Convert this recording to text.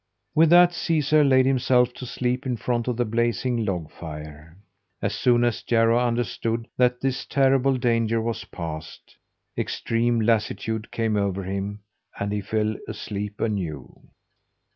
With that Caesar laid himself to sleep in front of the blazing log fire. As soon as Jarro understood that this terrible danger was past, extreme lassitude came over him, and he fell asleep anew.